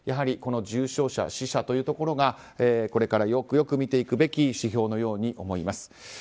この重症者、死者というところがこれからよくよく見ていくべき指標のように思います。